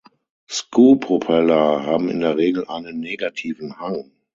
Skew-Propeller haben in der Regel einen negativen Hang.